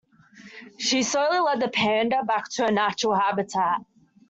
She slowly led the panda back to her natural habitat.